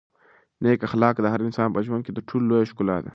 نېک اخلاق د هر انسان په ژوند کې تر ټولو لویه ښکلا ده.